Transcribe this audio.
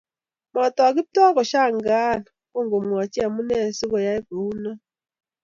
matak Kiptoo ko kashangaan ko kamwachi amune siko ai ko u no